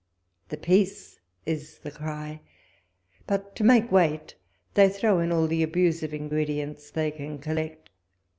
The Peace is the cry ; but to make weight, they throw in all the abusive ingredients they can collect.